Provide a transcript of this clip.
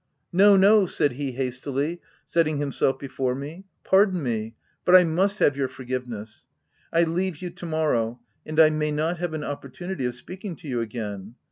" No, no !" said he hastily, setting himself before me —" Pardon me, but I must have your forgiveness. I leave you to morrow, and I may not have an opportunity of speaking to you again.